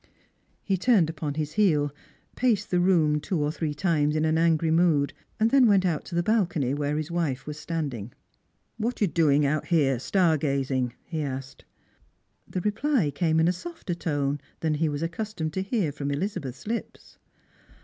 He turned iipon his heel, paced the room two or thi ee times in an angry mood, and then went out to the balcony, where his wife was standing. "What are you doing out here star gazing .P " he asked. The reply came in a softer tone than he was accustomed to hear from Elizabeth's lips.